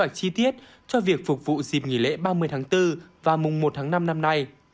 kế hoạch chi tiết cho việc phục vụ dịp nghỉ lễ ba mươi tháng bốn và mùng một tháng năm năm nay